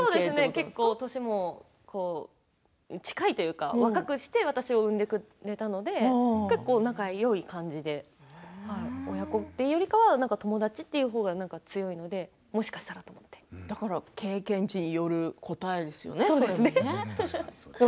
結構年も近いというか若くして私を生んでくれたので仲いい感じで親子というよりは友達というほうが強いのでだから経験値による答えですよね、これも。